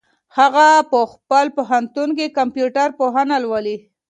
هغه په خپل پوهنتون کي کمپيوټر پوهنه لولي.